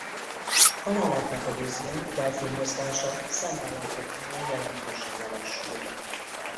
Halálát megelőzően a delfin mozgása szemmel láthatóan jelentősen lelassult.